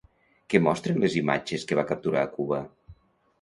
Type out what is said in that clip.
Què mostren les imatges que va capturar a Cuba?